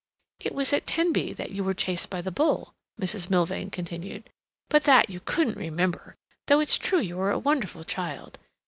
"It was at Tenby that you were chased by the bull," Mrs. Milvain continued. "But that you couldn't remember, though it's true you were a wonderful child.